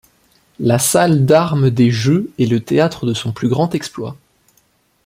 La salle d'armes des Jeux est le théâtre de son plus grand exploit.